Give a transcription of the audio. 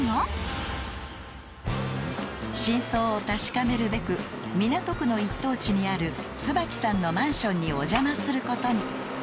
［真相を確かめるべく港区の一等地にあるつばきさんのマンションにお邪魔することに］